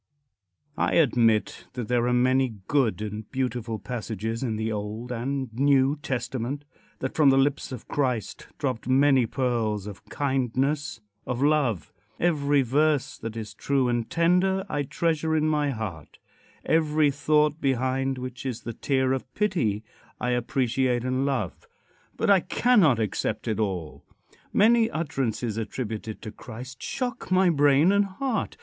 IX. CONCLUSION. I admit that there are many good and beautiful passages in the Old and New Testament; that from the lips of Christ dropped many pearls of kindness of love. Every verse that is true and tender I treasure in my heart. Every thought, behind which is the tear of pity, I appreciate and love. But I cannot accept it all. Many utterances attributed to Christ shock my brain and heart.